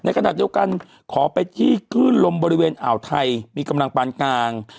ขณะเดียวกันขอไปที่คลื่นลมบริเวณอ่าวไทยมีกำลังปานกลาง